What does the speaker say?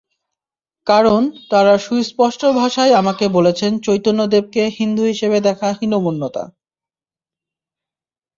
কারণ, তাঁরা সুস্পষ্ট ভাষায় আমাকে বলেছেন চৈতন্যদেবকে হিন্দু হিসেবে দেখা হীনমন্যতা।